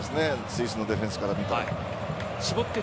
スイスのディフェンスから見て。